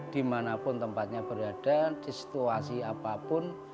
dimanapun tempatnya berada di situasi apapun